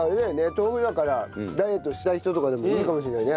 豆腐だからダイエットしたい人とかでもいいかもしれないね。